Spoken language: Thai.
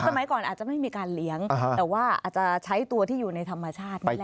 สมัยก่อนอาจจะไม่มีการเลี้ยงแต่ว่าอาจจะใช้ตัวที่อยู่ในธรรมชาติไม่ได้